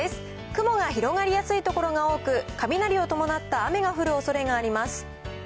雲が広がりやすい所が多く、雷を伴った雨が降るおそれがあります。